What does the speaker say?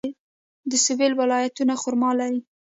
د سویل ولایتونه خرما لري.